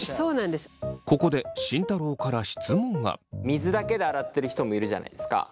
水だけで洗ってる人もいるじゃないですか。